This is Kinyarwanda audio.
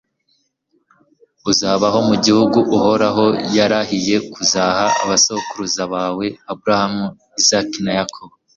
uzabaho, mu gihugu uhoraho yarahiye kuzaha abasokuruza bawe abrahamu, izaki na yakobo